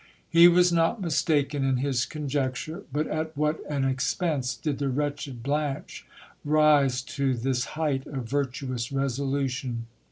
He was not mistaken in his conjec ture : but at what an expense did the wretched Blanche rise to this height of virtuous resolution